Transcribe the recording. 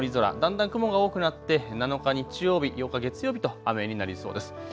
曇り空、だんだん雲が多くなって７日、日曜日夜から月曜日と雨になりそうです。